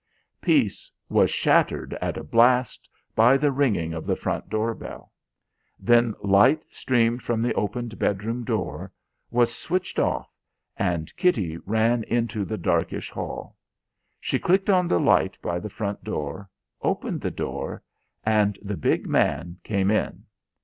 Peace was shattered at a blast by the ringing of the front door bell. Then light streamed from the opened bedroom door, was switched off, and Kitty ran into the darkish hall. She clicked on the light by the front door, opened the door, and the big man came in.